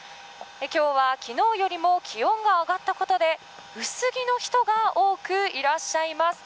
今日は昨日よりも気温が上がったことで薄着の人が多くいらっしゃいます。